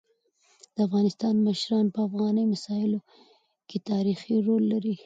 د افغانستان مشران په افغاني مسايلو کيتاریخي رول لري.